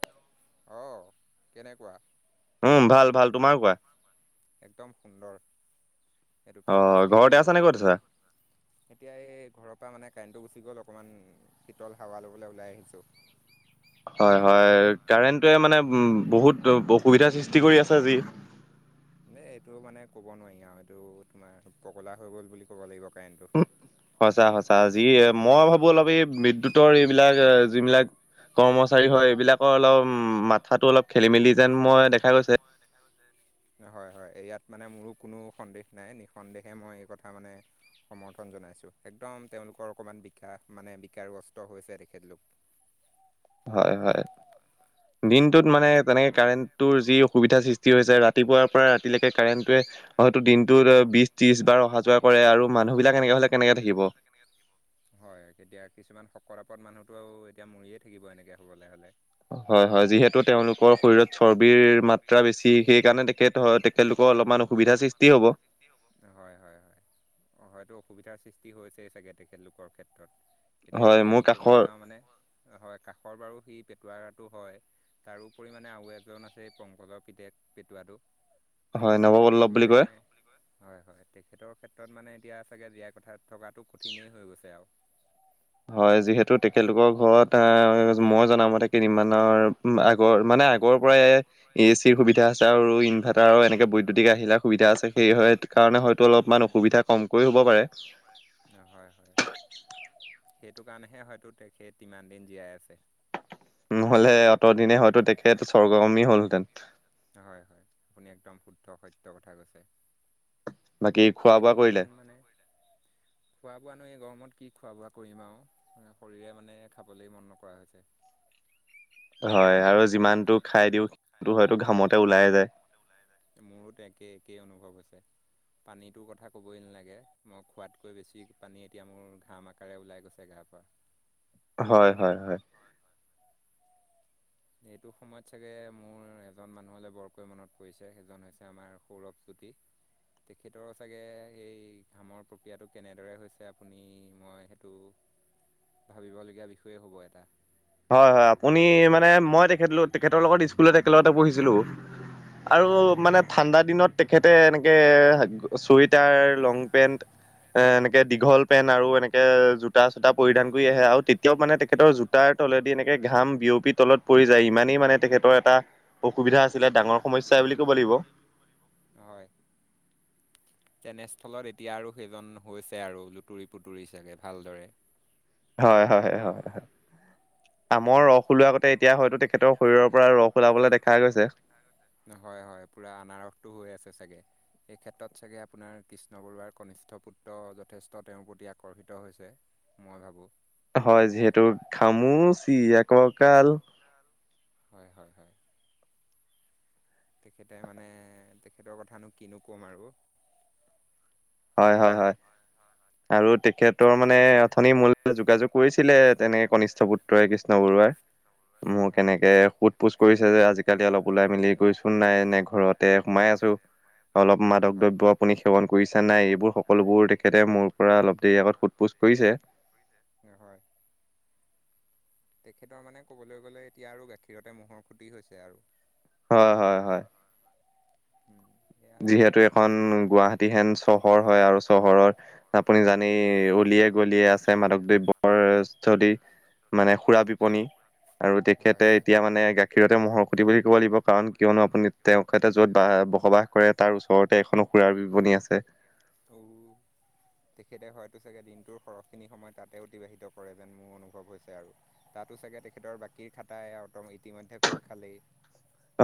Hello, অহ কেনেকুৱা? উম ভাল ভাল। তোমাৰ কোৱা? একদম সুন্দৰ। এইটো ফেনটাষ্টিক বুলি ক'ব লাগিব। এতিয়া এই ঘৰৰ পৰা মানে কাৰেণ্টটো গুচি গ'ল অকণমান, শীতল হাৱা ল'বলৈ ওলাই আহিছোঁ। হয় হয়। কাৰেণ্টোৱে মানে উম বহুত অসুবিধাৰ সৃষ্টি কৰি আছে আজি। উ [unintelligible] এই এইটো মানে ক'ব নোৱাৰি আৰু এইটো তোমাৰ পগলা হৈ গ'ল বুলি ক'ব লাগিব। সচা সঁচা, যি মই ভাবো অলপ এই বিদ্যুতৰ এইবিলাক এ যিবিলাক কৰ্মচাৰী হয়, এইবিলাকৰ অলপ উম মাথাটো অলপ খেলি মেলি যেন মই দেখা গৈছে। [inaudible] হয় হয়। ইয়াত মানে মোৰো কোনো সন্দেহ নাই, নিঃসন্দেহে মই এই কথা মানে সমৰ্থন জনাইছো। একদম তেওঁলোকৰ অকণমান বিকা মানে বিকাৰগ্ৰস্ত হৈছে তেখেতলোক। হয় হয়। দিনটোত মানে তেনেকে কাৰেণ্টটোৰ যি অসুবিধা সৃষ্টি হৈছে ৰাতিপুৱাৰ পৰা ৰাতিলৈকে কাৰেণ্টটোৱে, হয়তো দিনটোত বিশ ত্ৰিশ বাৰ অহা যোৱা কৰে আৰু মানুহ বিলাক এনেকে হলে কেনেকে থাকিব। [inaudible] হয়। কেতিয়া কিছুমান শকত আপত মানুহতটো এতিয়া মৰিয়ে থাকিব এনেকে হবলৈ হলে। হয় হয়। যিহেতু তেওঁলোকৰ শৰীৰত চৰ্বিৰ মাত্ৰা বেছি, সেইকাৰণে তেখেত তেখেতলোকৰ- অলপমান অসুবিধাৰ সৃষ্টি হ'ব। হয় হয় হয়। সুবিধাৰ সৃষ্টি হৈছেই চাগে তেখেতলোকৰ ক্ষেত্ৰত। এতিয়া যদি আমি ক'বলৈ যাওঁ মানে- হয় কাষৰ বাৰু সি পেটোৱাৰ ৰাতটো হয়। তাৰোপৰি মানে আৰু এজন আছে পংকজৰ পিতেক, - পেটোৱাটো তেখেতৰ ক্ষেত্ৰত মানে কয় হয় হয়। তেখেতৰ ক্ষেত্ৰত মানে এতিয়া চাগে জীয়াই কথা থকাটো কঠিনেই হৈ গৈছে আৰু। হয়, যিহেতু তেখেতলোকৰ ঘৰত আহ মই জনাম তাক ইমান আগৰ মানে আগৰ পৰাই এ চিৰ সুবিধা আছে আৰু ইনভাৰ্টাৰ এনেকে বৈদ্যুতিক আহিলা সুবিধা আছে। সেইকাৰণে হয়তো অলপমান অসুবিধা কমকৈ হ'ব পাৰে। হয় হয়। সেইটো কাৰণেহে হয়তো তেখেত ইমান দিন জীয়াই আছে। নহ'লে অতদিনে হয়তো তেখেত স্বৰ্গগামী হ'লহেতেন। আপুনি একদম শুদ্ধ সত্যৰ কথা কৈছে। বাকী খোৱা বোৱা কৰিলে? খোৱা নাই, এই গৰমত কি খোৱা বোৱা কৰিম আৰু শৰীৰে মানে খাবলৈ মন নকৰা হৈছে। হয় আৰু যিমানটো খাই দিওঁ সিটো হয়তো ঘামতে ওলাই যায়। মোৰোতো একে একেই অনুভৱ হৈছে। পানীটোৰ কথা ক'বই নালাগে মই খোৱাতকৈ বেছি পানী এতিয়া মোৰ ঘাম আকাৰে ওলাই গৈছে গা- [unintelligible] হয় হয় হয়। এইটো সময়ত চাগে মোৰ এজন মানুহলে বৰকৈ মনত পৰিছে সেইজন হৈছে আমাৰ সৌৰভ জু কি তেখেতৰ চাগে এই ঘামৰ প্ৰক্ৰিয়াটো কেনেদৰে হৈছে আপুনি মই সেইটো ভাবিবলগীয়া বিষয়ে হ'ব এটা হয় হয় আপুনি মানে মই তেখেতল তেখেতৰ লগত স্কুলত একেলগতে পঢ়িছিলো আৰু মানে ঠাণ্ডা দিনত তেখেতে এনেকে চুৱেটাৰ লং পেণ্ট এ এনেকে দীঘল পেণ্ট আৰু এনেকে জোতা চোতা পৰিধান কৰি আহে আৰু তেতিয়াও মানে তেখেতৰ জোতাৰ- তলেদি এনেকে ঘাম বিয়পি তলত পৰি যায় ইমানেই মানে। তেখেতৰ এটা অসুবিধা আছিলে ডাঙৰ সমস্যাই বুলি কব লাগিব [unintelligible] তেনেস্থলত এতিয়া আৰু সেইজন হৈছে আৰু লুতুৰি পুতুৰি চাগে ভালদৰে হয় হয় হয় আমৰ ৰস ওলোৱা আগতে এতিয়া হয়তো তেখেতৰ শৰীৰৰ পৰা ৰস ওলাবলৈ দেখা গৈছে। হয় হয় পুৰা আনাৰসটো হৈ আছে চাগে। এই ক্ষেত্ৰত চাগে আপোনাৰ কৃষ্ণ বৰুৱাৰ কনিষ্ঠ পুত্ৰ যথেষ্ট তেওঁৰ প্ৰতি আকর্ষিত হৈছে। মই ভাবো- হয় যিহেতু খামুচিয়া ককাল- হয় হয় হয়। তেখেতে মানে তেখেতৰ কথানো কিনো ক'ম আৰু- হয় হয় হয় আৰু তেখেতৰ মানে অথনি মূল যোগাযোগ কৈছিলে তেনেকে কনিষ্ঠ পুত্ৰই কৃষ্ণ বৰুৱাৰ মোক কেনেকে সুধ পোচ- কৰিছে যে আজিকালি অলপ ওলাই মেলি কৰিচো নাই নে ঘৰতে সোমাই আছো। অলপ মাদক দ্ৰব্য আপুনি সেৱন কৰিছে। নাই এইবোৰ সকলোবোৰ তেখেতে মোৰ পৰা অলপ দেৰি আগত সোধ পোছ কৰিছে। হয়। তেখেতৰ মানে ক'বলৈ গ'লে এতিয়া আৰু গাখীৰতে মহৰ খুটি হৈছে আৰু। হয়-হয়-হয়। যিহেতু এখন গুৱাহাটী হেন চহৰ হয় আৰু চহৰত আপুনি জানেই অলিয়ে গলিয়ে আছে মাদকদ্ৰৱ্যৰ স্থলি মানে সুৰা বিপনি। আৰু তেখেতে এতিয়া মানে গাখীৰতে মহৰ খুটি বুলি ক'ব লাগিব। কাৰণ কিয়নো আপুনি তেওঁক এটা যত বা বসবাস কৰে তাৰ ওচৰতে এখনো সুৰাৰ বিপণী আছে। হয়তো চাগে দিনটোৰ সৰহখিনি সময় তাতে অতিবাহিত কৰে যেন মোৰ অনুভৱ হৈছে আৰু। তাতো চাগে তেখেতৰ বাকীৰ খাতাই অ ইতিমধ্যে খোল খালেই।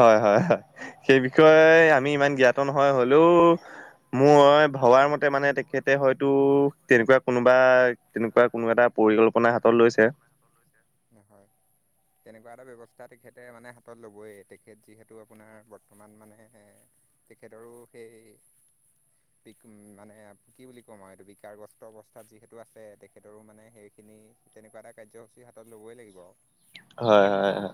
হয়-হয়-হয়। সেই বিষয়ে আমি ইমান জ্ঞাত নহয়, হলেও মই ভবাৰ মতে মানে তেখেতে হয়তো তেনেকুৱা কোনোবা তেনেকুৱা কোনো এটা পৰিকল্পনা হাতত লৈছে। নহয়। তেনেকুৱা এটা ব্যৱস্থা তেখেতে মানে হাতত ল'বই। তেখেত যিহেতু আপোনাৰ বৰ্তমান মানে তেখেতৰো সেই উম মানে কি বুলি কম আৰু এইটো বিকাৰগ্ৰস্ত অৱস্থাত যিহেতু আছে। তেখেতৰো মানে সেইখিনি তেনেকুৱা এটা কাৰ্যসূচী হাতত ল'বই লাগিব আও। হয়-হয়।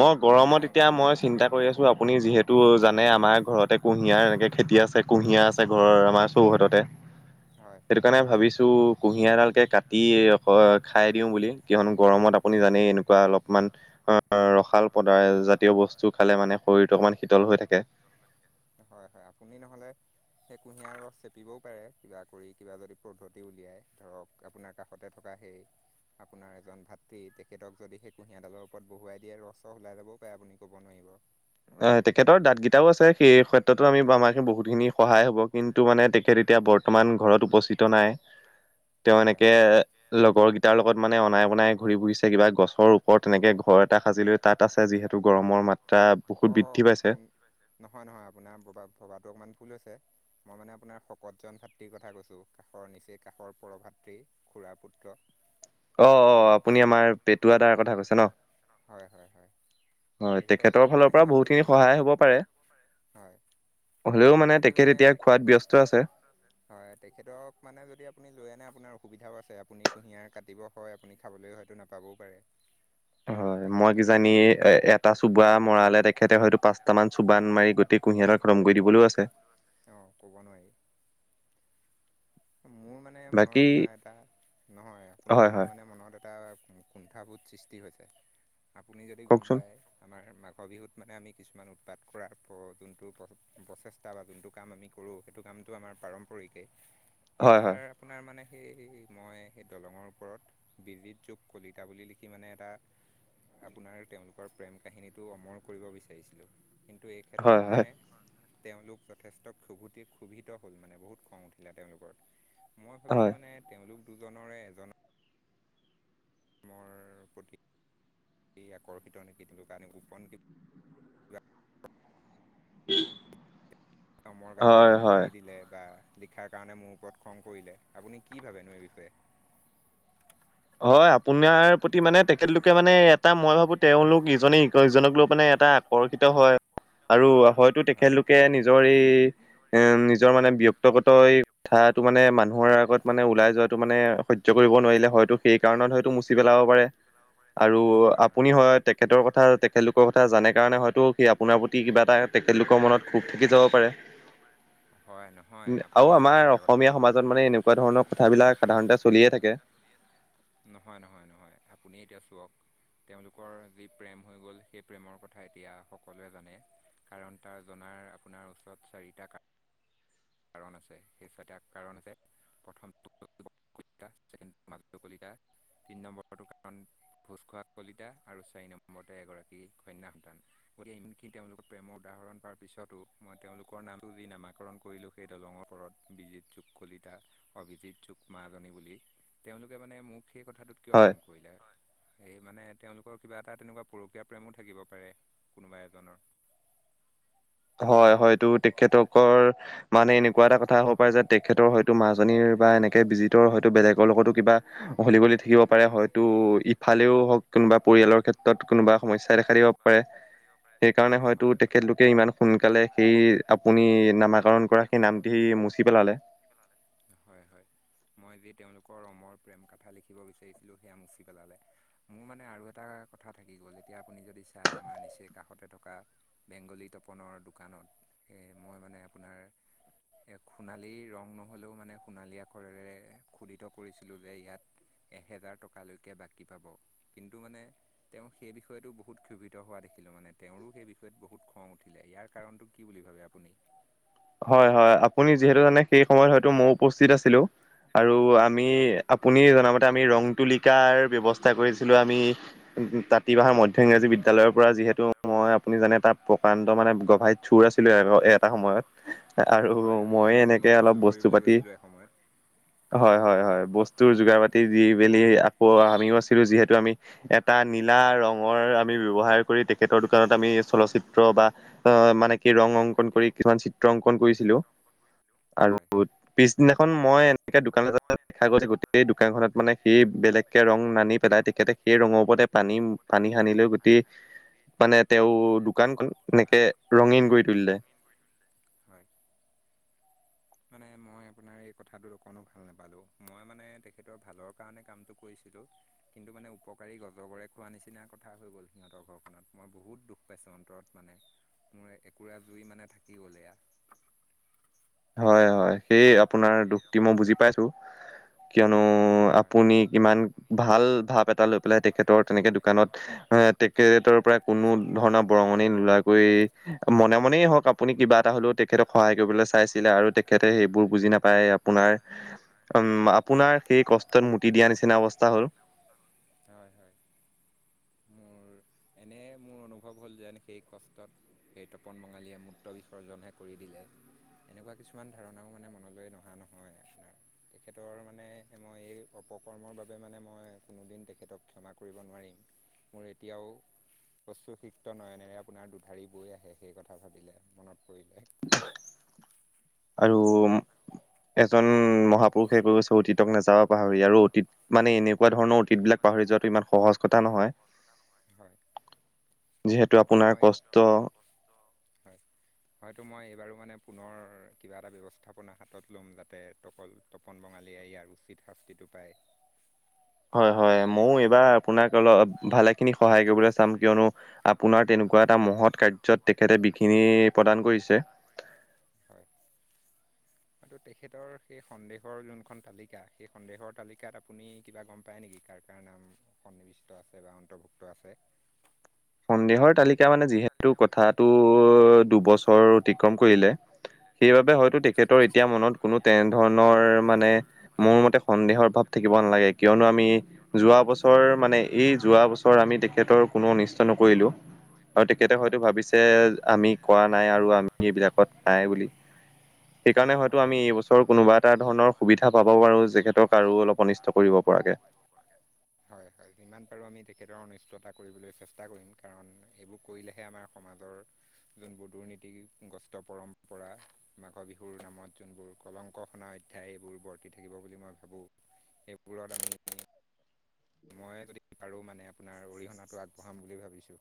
মই গৰমত এতিয়া মই চিন্তা কৰি আছো। আপুনি যিহেতু মানে আমাৰ ঘৰতে কুঁহিয়াৰ এনেকে খেতি আছে। কুঁহিয়াৰ আছে ঘৰৰ আমাৰ চৌহদতে। সেইটো কাৰণে ভাবিছোঁ তো কুঁহিয়াৰ ডালকে কাটি ৰসকে খাই দিও বুলি কিয়নো গৰমত আপুনি জানেই এনেকুৱা অলপমান [unintelligible] অ ৰসাল পদায় জাতীয় বস্তু খালে মানে শৰীৰটো অকমান শীতল হৈ থাকে। হয়-হয়, আপুনি নহলে সেই কুঁহিয়াৰ ৰস চেপিবও পাৰে কিবা কৰি কিবা যদি পদ্ধতি উলিয়াই ধৰক আপোনাৰ কাষতে থকা আহে। আপোনাৰ এজন ভাতৃ তেখেতক যদি সেই কুঁহিয়াৰডালৰ ওপৰত বহুৱাই দিয়ে ৰস সব ওলাই যাবও পাৰে আপুনি ক'ব নোৱাৰিব। এ তেখেতৰ দাঁত কেইটাও আছে। সেই এই ক্ষেত্ৰতো আমি বা আমাকে বহুতখিনি সহায় হ'ব। কিন্তু মানে তেখেত এতিয়া বৰ্তমান ঘৰত উপস্থিত নাই। তেওঁ এনেকে এ লগৰ কিটাৰ লগত মানে অনাই-বনাই ঘূৰি ফুৰিছে। কিবা গছৰ ওপৰত তেনেকে ঘ ঘৰ এটা সাজিলৈ তাত আছে। যিহেতু গৰমৰ মাত্ৰা বহুত বৃদ্ধি পাইছে। হয় নহয়? আপোনাৰ ববা ভবাটো অকমান ভুল হৈছে। মই মানে আপোনাৰ শকতজন ভাতৃৰ কথা কৈছো কাষৰ নিচেই কাষৰ পৰভাতৃ খুৰাৰ পুত্ৰ। অ-অ, আপুনি আমাৰ পেটুৱাদাৰ কথা কৈছে ন? হয়, তেখেতৰ ফালৰ পৰা বহুতখিনি সহায় হ'ব পাৰে। হ'ব পাৰে হয়। কিন্তু মানে তেখেত এতিয়া খোৱাত ব্যস্ত আছে। হয়, তেখেতক মানে যদি আপুনি ল তো এনে আপোনাৰ অসুবিধাও আছে। আপুনি কুঁহিয়াৰ কাটিব হয় আপুনি খাবলৈ হয়তো নাপাবও পাৰে। হয়, মই কিজানি এ এটা চোবা মৰালে তেখেতে হয়তো পাঁচটা মান চোবান মাৰি গোটেই কুঁহিয়াৰডাল খতম কৰি দিবলৈও আছে। অঁ, ক'ব নোৱাৰি। মোৰ মানে মনত আপোনাৰ এটা, নহয় আপুনি মোৰ মানে মনত এ এটা কু কুণ্ঠাবোধ সৃষ্টি হৈছে। আপুনি যদি গম পায় আমাৰ মাঘৰ বিহুত মানে আমি কিছুমান উৎপাত কৰাৰ পৰ যোনটো প্ৰচ প্ৰচেষ্টা বা যোনটো কাম আমি কৰোঁ। সেই সেইটো কামটো আমাৰ পাৰম্পৰিকেই। এবাৰ আপোনাৰ মানে সেই-এই-সেই-সেই মই সেই দলঙৰ ওপৰত বিজিত যোগ কলিতা বুলি লিখি মানে এটা আপোনাৰ তেওঁলোকৰ প্ৰেম কাহিনীটো অমৰ কৰিব বিচাৰিছিলো। কিন্তু এই ক্ষেত্ৰত মানে, হয় তেওঁলোক যথেষ্ট ক্ষোভতি ক্ষোভিত হ'ল মানে। বহুত খং উঠিলে তেওঁলোকৰ। মই ভাবিছোঁ মানে তেওঁলোক দুজনৰে এজনৰ মোৰ প্ৰতি এই আকৰ্ষিত নেকি এইটো কাৰণে গোপন কি পিপ। অমৰ কাঁঠালটো মোহাৰি দিলে বা লিখাৰ কাৰণে মোৰ ওপৰত খং কৰিলে আপুনি কি ভাবেনো এই বিষয়ে হু হু হু হু হয়, আপোনাৰ প্ৰতি মানে তেখেতলোকে মানে এটা মই ভাবো তেওঁওলোক ইজনে ইকয়জনক লৈ মানে এটা আকৰ্ষিত হয় আৰু হয়তো তেখেতলোকে নিজৰ এই এ উম নিজৰ মানে ব্যক্তগত এই কথাটো মানে মানুহৰ আগত মানে ওলাই যোৱাটো মানে সহ্য কৰিব কব নোৱাৰিলে হয়তো সেই কাৰণত হয়তো মুচি পেলাব পাৰে আৰু আপুনি হয় তেখেতৰ কথা তেখেতলোকৰ কথা জানে কাৰণে হয়তো সেই আপোনাৰ প্ৰতি কিবা এটাত তেখেতলোকৰ মনত ক্ষোভ থাকি যাব পাৰে। হয় ন আৰু আমাৰ অসমীয়া সমাজত মানে এনেকুৱা ধৰণৰ কথাবিলাক সাধাৰণতে চলিয়ে থাকে। নহয় নহয় নহয় আপুনি এতিয়া চক তেওঁলোকৰ যি প্ৰেম হৈ গ'ল সেই প্ৰেমৰ কথা এতিয়া সকলোৱে জানে। কাৰণ তাৰ জনাৰ আপোনাৰ ওচৰত চাৰিটা কাৰণ আছে সেইটো এটা কাৰণ আছে প্ৰথমটোও কলিতা ছেকেণ্ডও আকৌ কলিতা তা তিন নম্বৰতো কাৰণ ভোজ খোৱা কলিতা আৰু চাৰি নম্বৰতে এগৰাকী কন্যা কলিতা গতিকে ই ই ইমানখিনি তেওঁলোকৰ প্ৰেমৰ উদাহৰণ পোৱাৰ পিছতো মই তেওঁলোকৰ নামটো যি নামাকৰণ কৰিলোঁ সেই দলঙৰ ওপৰত, বিজিত চুগ কলিতা, অভিজিত চুগ মাজনী, বুলি তেওঁলোকে মানে মোক সেই কথাটোত কিয় কং কৰিলে। এই মানে তেওঁলোকৰ কিবা এটা তেনেকুৱা পৰকীয়া প্ৰেমো থাকিব পাৰে, কোনোবা এজনৰ। [inaudible] হয় হয়তো তেখেতকৰ মানে এনেকুৱা এটা কথা হ'ব পাৰে যে তেখেতৰ হয়তো মাজনীৰ বা এনেকে বিজিটৰ হয়তো বেলেগৰ লগতো কিবা সলি গলি থাকিব পাৰে হয়তো ইফালেও হ কোনোবা পৰিয়ালৰ ক্ষেত্ৰত কোনোবা সমস্যা দেখা দিব পাৰে, সেইকাৰণে হয়তো তেখেতলোকে ইমান সোনকালে সেই আপুনি নামাকৰণ কৰা সেই নামটি সেই মচি পেলালে। হয় হয় মই যি তেওঁলোকৰ ৰমৰ প্ৰেম কথা লিখিব বিচাৰিছিলোঁ সেয়া মুচি পেলালে। মোৰ মানে আৰু এটা কথা থাকি গ'ল এতিয়া আপুনি যদি চাই আমাৰ নিচেই কাষতে থ থকা বেংগলী, তপনৰ দোকানত স মই মানে আপোনাৰ এ সোণালী ৰং নহলেও মানে সোণালী আখৰেৰে খোদিত কৰিছিলোঁ যে ইয়াত এহেজাৰ টকালৈকে বাকী পাব। কিন্তু মানে তেওঁ সেই বিষয়টো বহুত ক্ষোভিত হোৱা দেখিলোঁ মানে তেওঁৰো সেই বিষয়ত বহুত খং উঠিল। ইয়াৰ কাৰণটো কি বুলি ভাবে আপুনি? হয় হয় আপুনি যিহেতু জানে সেই সময়ত হয়তো মই উপস্থিত আছিলোঁ। আৰু আমি আপুনি জনামতে আমি ৰং তুলিকাৰ ব্যৱস্থা কৰিছিলোঁ আমি তাঁতি বাহাৰ মধ্য ইংৰাজী বিদ্যালয়ৰ পৰা যিহেতু মই আপুনি জানে এটা প্ৰকান্ত মানে গভাঁইত চুৰ আছিলোঁ এটা সময়ত। আৰু মই এনেকে অলপ বস্তু পাতি হয় হয় হয় বস্তুৰ যোগাৰ পাতি দি মেলি আকৌ আমিও আছিলোঁ যিহেতু আমি এটা নীলা ৰঙৰ আমি ব্যয়ৱহাৰ কৰি তেখেতৰ দোকানত আমি চলচিত্ৰ এ বা অ মানে কি ৰং অংকন কৰি কিছুমান চ অংকন কৰিছিলোঁ আৰু পিছদিনা মই এনেকে দোকানত য দেখা গৈছে থাকোতে। সেই দোকানখনত মানে সেই বেলেগকে ৰং নানি পেলাই তেখেতে সেই ৰঙৰ ওপৰতে পানী পানী সানি লৈ গোট মানে তেওঁ দোকানখন এনেকে ৰঙীন কৰি তুলিলে। মানে মই আপোনাৰ এই কথাটোত অকনো ভাল নাপালো, মই মানে তেখেতৰ ভালৰ কাৰণে কামটো কৰিছোঁ। কিন্তু মানে উপকাৰী অজগৰে খোৱা নিচিনা কথা হৈ গ'ল সিহঁতৰ ঘৰখনত মই বহুত দুখ পাইছোঁ। অন্তৰত মানে মোৰ একোৰা জুই মানে থাকি গ'ল এয়া। হয় হয় সেই আপোনাৰ দুখটি মই বুজি পাইছোঁ। কিয়নো আপুনি ইমান ভাল ভাৱ এটা লৈ পেলাই তেখেতৰ তেনেকে দোকানত এ টটৰ পৰা কোনো ধৰণৰ বৰঙণি নোলোৱাকৈ মনে মনে মই হওক আপুনি কিবা এ হলেও তেখেতক সহায় কৰিব চাইছি আৰু তেখেতে সেইবোৰ বুজি নাপায় আপোনাৰ উম আপোনাৰ সেই কষ্টত মুতি দিয়া নিচিনা অৱস্থা হ'ল। হয় হয়। [inaudible] অনু্ভৱ হ'ল যেন সেই কষ্টত সেই তপন বঙালীয়ে মূত্ৰ বিসৰ্জনহে কৰি দিলে। এনেকুৱা কিছুমান ধাৰণাও মানে মনলৈ নহা নহয় আপোনাৰ তেখেতৰ মানে মই এই উপকৰ্মৰ বাবে মানে মই কোনোদিন তেখেতক ক্ষমা কৰিব নোৱাৰিম মোৰ এতিয়াও প্ৰচু শিক্ষ্ত নয়নেৰে আপোনাৰ দুধাৰি বৈ আহে সেই কথা ভাবিলে মনত পৰিলে। আৰু উ এজন মহাপুৰুষে কৈ গৈছে অতীতক নাযাব পাহৰি আৰু অতীত মানে এনেকুৱা ধৰণৰ অতীত বিলাক পাহৰি যোৱাতটো ইমান সহজ কথা নহয়। যিহেতু আপোনাৰ কষ্ট হয় হয়টো মই এইবাৰো মানে পুনৰ কিবা এটা ব্যৱস্থাপনা হাতত লম যাতে তপন ব ঙালী ইাৰ উচিত শাস্তিটো পায়। [inaudible] হয় হয় ময়ো এইবাৰ আপোনাক অলপ ভালে খিনি সহায় কৰিবলৈ চাম কিয়নো আপোনাৰ তেনেকুৱা এটা মহৎ কাৰ্য্যত তেখেতে বিঘিনি প্ৰদান কৰিছে। হয় আৰু তেখেতৰ সেই সন্দেহৰ যোনখন তালিকা সেই সন্দেহৰ তালিকাত আপুনি কিবা গম পায় নেকি- কাৰ কাৰ নাম সন্নিৱিষ্ট আছে বা অন্তৰ্ভুক্ত আছে। সন্দেহৰ তালিকা মানে যিহেতু কথাতটো দুবছৰ অতিক্ৰম কৰিলে সেইবাবে হয়তো তেখেতৰ এতিয়া মনত কোনো তেনে ধৰণৰ মানে মোৰ মতে সন্দেহ- অ ভাৱ থাকিব নালাগে কি কিয়নো আমি যোৱা বছৰ মানে এই যোৱা বছৰ আমি তেখেতৰ কোনো নিচ নকৰিলো আৰু তেখেতে হয়তো ভাবিছে আমি কৰা নাই আৰু আমি এইবিলাকত নাই বুলি সেইকাৰণে হয়তো আমি এইবছৰৰ কোনোবা এটা ধৰণৰ সুবিধা পাব পাৰো যেখেতক কাৰো অলপ অনিষ্ট কৰিব পৰা হয় হয় যিমান আমি তেখেতৰ অনিষ্টতা কৰিবলৈ চেষ্টা কৰিম কাৰণ এইবোৰ কৰিলেহে আমাৰ সমৰ যোৰ দুৰ্নীতি গ্ৰস্ত পৰম্পৰা মাঘ বিহুৰ নামত যোনবোৰ কলংক সনা অধ্যয়ায় এইবোৰ বৰ্তি থাকিব বুলি মই ভাবো এইবোৰত আমি মই যদি পাৰো মানে আপোনাৰ অৰিহণাটো আগবঢ়াম বুলি ভাবিছোঁ